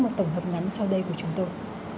một tổng hợp ngắn sau đây của chúng tôi